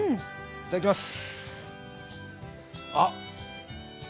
いただきます。